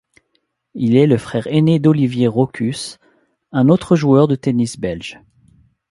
Il est le frère aîné d'Olivier Rochus, un autre joueur de tennis belge.